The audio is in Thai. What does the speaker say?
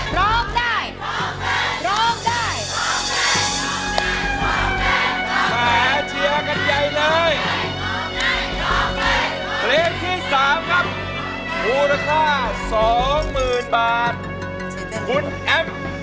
ร้องได้ร้องได้ร้องได้ร้องได้ร้องได้ร้องได้